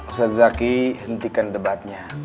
ustadz zaki hentikan debatnya